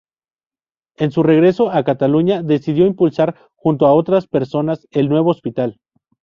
En su regreso a Cataluña decidió impulsar, junto a otras personas, el nuevo hospital.